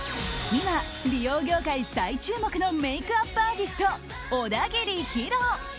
今、美容業界最注目のメイクアップアーティスト小田切ヒロ。